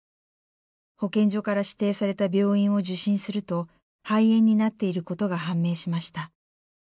保健所から指定された病院を受診すると肺炎になっていることが判明しました。